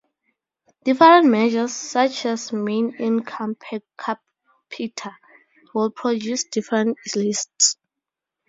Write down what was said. Different measures, such as mean income per capita, would produce different lists.